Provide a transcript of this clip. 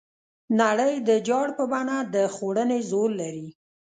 نړۍ د جال په بڼه د خوړنې زور لري.